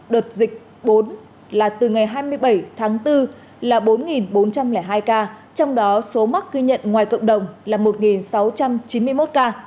đợt dịch bốn là từ ngày hai mươi bảy tháng bốn là bốn bốn trăm linh hai ca trong đó số mắc ghi nhận ngoài cộng đồng là một sáu trăm chín mươi một ca